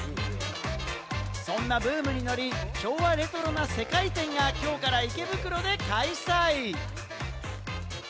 そんなブームに乗り、昭和レトロな世界展が今日から池袋で開催。